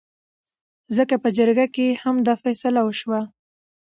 ځکه په جرګه کې هم دا فيصله وشوه